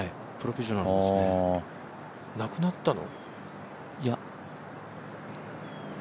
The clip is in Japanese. なくなったの？